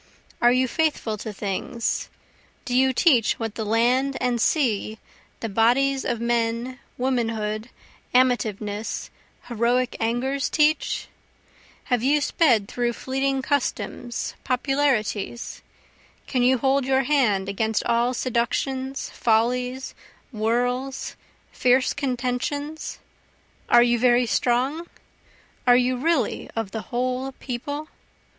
Are you faithful to things? do you teach what the land and sea, the bodies of men, womanhood, amativeness, heroic angers, teach? Have you sped through fleeting customs, popularities? Can you hold your hand against all seductions, follies, whirls, fierce contentions? are you very strong? are you really of the whole People?